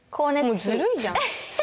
もうずるいじゃん。